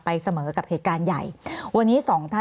มีความรู้สึกว่ามีความรู้สึกว่า